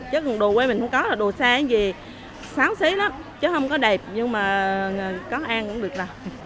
chứ đồ quê mình không có là đồ xanh gì xáo xí lắm chứ không có đẹp nhưng mà có ăn cũng được rồi